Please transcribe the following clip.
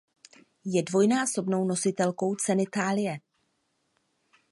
Je dvojnásobnou nositelkou Ceny Thálie.